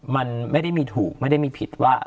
มันไม่ได้มีถูกไม่ได้มีผิดว่า